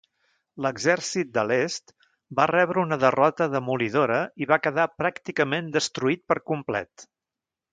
L'Exèrcit de l'Est va rebre una derrota demolidora i va quedar pràcticament destruït per complet.